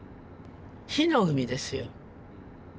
火の海ですよ。